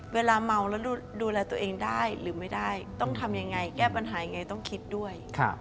เวลาเมาแล้วดูแลตัวเองได้หรือไม่ได้ต้องทำยังไงแก้ปัญหายังไงต้องคิดด้วย